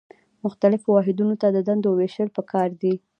مختلفو واحدونو ته د دندو ویشل پکار دي.